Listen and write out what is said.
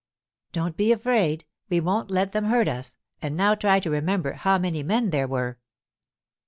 'Don't be afraid. We won't let them hurt us. And now try to remember how many men there were.